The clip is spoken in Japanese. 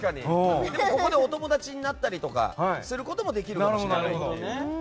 ここでお友達になったりすることもできるかもしれない。